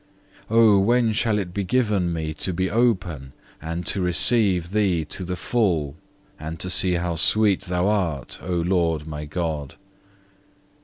Oh when shall it be given me to be open to receive Thee to the full, and to see how sweet Thou art, O Lord my God?